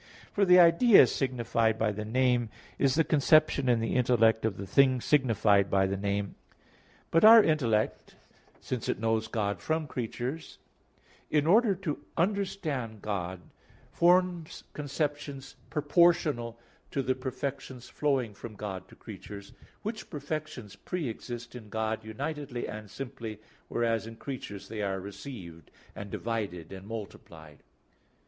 For the idea signified by the name is the conception in the intellect of the thing signified by the name. But our intellect, since it knows God from creatures, in order to understand God, forms conceptions proportional to the perfections flowing from God to creatures, which perfections pre exist in God unitedly and simply, whereas in creatures they are received and divided and multiplied.